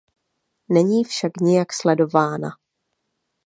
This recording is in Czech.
Není však nijak sledována.